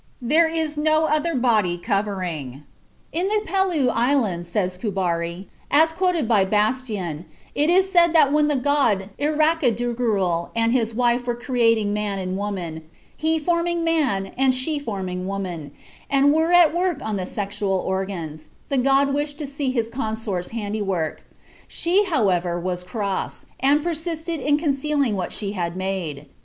There is no other body covering. (Somerville, Journal of the Anthropological Institute, 1894, p. 368.) In the Pelew Islands, says Kubary, as quoted by Bastian, it is said that when the God Irakaderugel and his wife were creating man and woman (he forming man and she forming woman), and were at work on the sexual organs, the god wished to see his consort's handiwork. She, however, was cross, and persisted in concealing what she had made.